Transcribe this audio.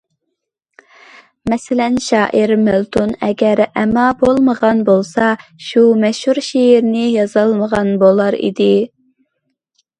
مەسىلەن: شائىر مىلتون ئەگەر ئەما بولمىغان بولسا، شۇ مەشھۇر شېئىرىنى يازالمىغان بولار ئىدى.